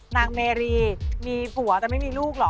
นางเมรีมีผัวแต่ไม่มีลูกเหรอ